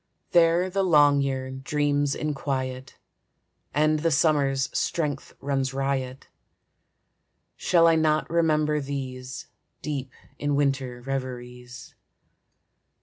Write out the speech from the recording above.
There the long year dreams in quiet, And the summer's strength runs riot. Shall I not remember these, Deep in winter reveries?